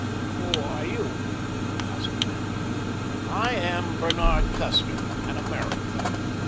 "Who are you?" asked the man. "I am Bernard Custer, an American.